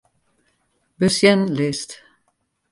Besjenlist.